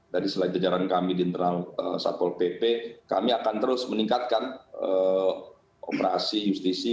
dari selain jajaran kami di internal satpol pp kami akan terus meningkatkan operasi justisi